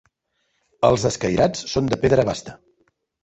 Els escairats són de pedra basta.